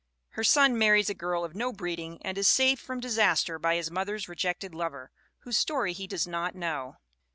Her son marries a girl of no breed ing and is saved from disaster by his mother's rejected lover, whose story he does not know.